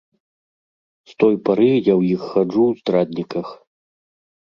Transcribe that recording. З той пары я ў іх хаджу ў здрадніках.